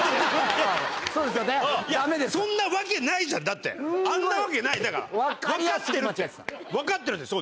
いやそんなわけないじゃんだってあんなわけないだから。分かってるって分かってるんだよ。